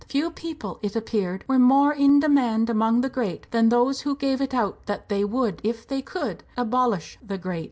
Few people, it appeared, were more in demand among the great than those who gave it out that they would, if they could, abolish the great.